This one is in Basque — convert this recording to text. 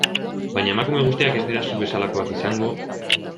Baina emakume guztiak ez dira zu bezalakoak izango...